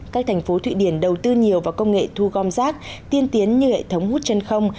các thành phố thụy điển đầu tư nhiều vào công nghệ thu gom rác tiên tiến như hệ thống hút chân không